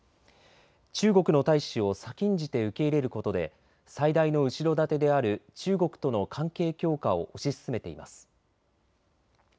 中国の大使を先んじて受け入れることで最大の後ろ盾である中国との関係強化を推し進めています。